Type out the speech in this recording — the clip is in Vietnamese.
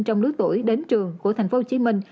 trong lứa tuổi đến trường của tp hcm